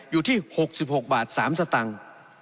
อยู่ที่๖๖บาท๓สตังค์